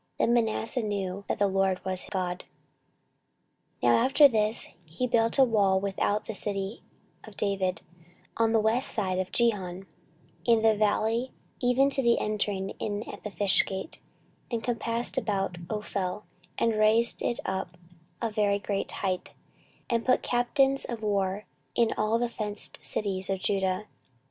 Then Manasseh knew that the LORD he was God. 14:033:014 Now after this he built a wall without the city of David, on the west side of Gihon, in the valley, even to the entering in at the fish gate, and compassed about Ophel, and raised it up a very great height, and put captains of war in all the fenced cities of Judah.